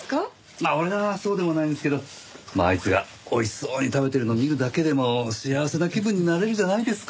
まあ俺はそうでもないんですけどあいつが美味しそうに食べてるの見るだけでも幸せな気分になれるじゃないですか。